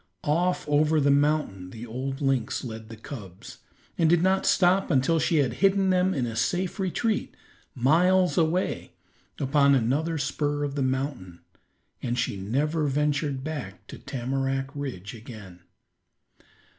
Off over the mountain the old lynx led the cubs, and did not stop until she had hidden them in a safe retreat miles away, upon another spur of the mountain, and she never ventured back to Tamarack Ridge again.